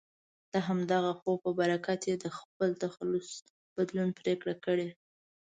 د همدغه خوب په برکت یې د خپل تخلص بدلون پرېکړه کړې.